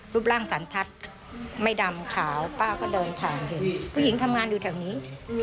รูปร่างสันทัศน์ไม่ดำขาวป้าก็เดินผ่านเห็นผู้หญิงทำงานอยู่แถวนี้